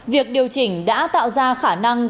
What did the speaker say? việc điều chỉnh đã tạo ra khả năng